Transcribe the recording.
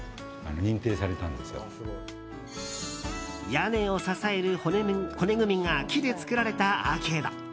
屋根を支える骨組みが木で造られたアーケード。